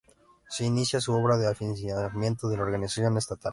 Se inicia su obra de afianzamiento de la organización estatal.